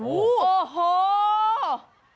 โอ้โห